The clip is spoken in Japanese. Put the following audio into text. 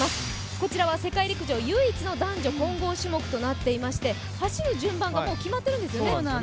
こちらは世界陸上唯一の混合種目となっていまして走る順番がもう決まっているんですよね。